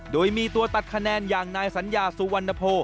โดยมีตัวตัดคะแนนอย่างนายสัญญาสุวรรณโพ